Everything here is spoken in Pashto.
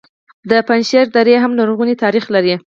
د پنجشیر درې هم لرغونی تاریخ لري